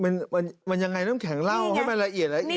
มันมันยังไงน้ำแข็งเล่าให้มันละเอียดละเอียด